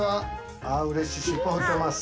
あぁうれしいしっぽ振ってます。